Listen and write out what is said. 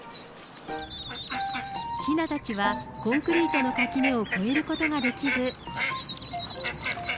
ひなたちはコンクリートの垣根を越えることができず。